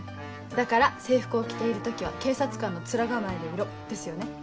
だから制服を着ている時は警察官の面構えでいろですよね。